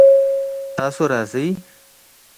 تاسو راځئ؟